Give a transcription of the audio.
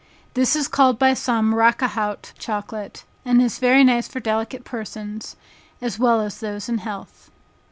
This is called by some "Rac a haut" chocolate, and is very nice for delicate persons, as well as those in health.